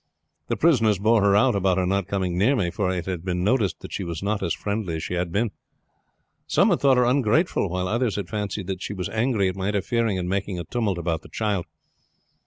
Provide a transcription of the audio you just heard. The prisoners bore her out about her not coming near me, for it had been noticed that she was not as friendly as she had been. Some had thought her ungrateful, while others had fancied that she was angry at my interfering and making a tumult about the child.